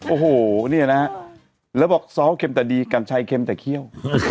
โอ้โหเนี่ยนะฮะแล้วบอกซ้อเข็มแต่ดีกัญชัยเค็มแต่เคี่ยว